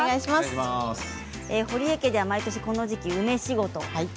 ほりえ家では毎年この時期に梅仕事。